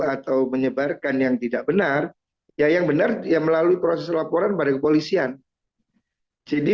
atau menyebarkan yang tidak benar ya yang benar ya melalui proses laporan pada kepolisian jadi